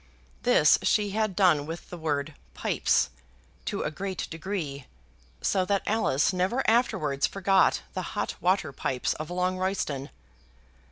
This she had done with the word "pipes" to a great degree, so that Alice never afterwards forgot the hot water pipes of Longroyston.